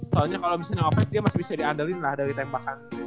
soalnya kalau bisa nyampe fans dia masih bisa diandalkan lah dari tembakan